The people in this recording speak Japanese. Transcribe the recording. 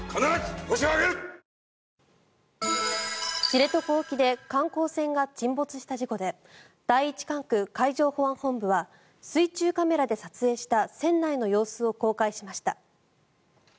知床沖で観光船が沈没した事故で第一管区海上保安本部は水中カメラで撮影した船内の様子を公開しました。